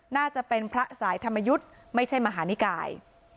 น่าจะเป็นพระสายธรรมยุทธ์ไม่ใช่มหานิกาย